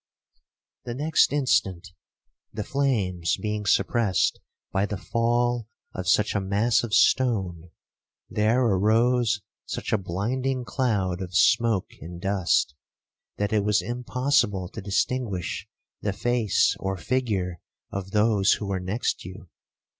'The next instant, the flames being suppressed by the fall of such a mass of stone, there arose such a blinding cloud of smoke and dust, that it was impossible to distinguish the face or figure of those who were next you.